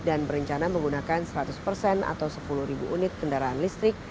dan berencana menggunakan seratus persen atau sepuluh ribu unit kendaraan listrik